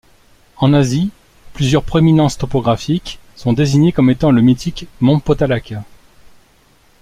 En Asie, plusieurs proéminences topographiques sont désignées comme étant le mythique mont Potalaka.